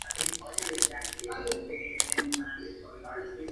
Roger heredó el cargo de su padre como mayordomo real.